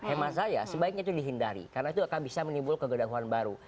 hema saya sebaiknya itu dihindari karena itu akan bisa menimbul kegedahan baru